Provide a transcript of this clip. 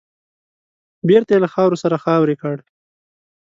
بېرته يې له خاورو سره خاورې کړ .